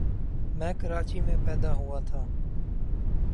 میں کراچی میں پیدا ہوا تھا۔